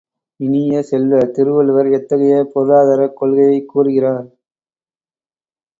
இனிய செல்வ, திருவள்ளுவர் எத்தகைய பொருளாதாரக் கொள்கையைக் கூறுகிறார்?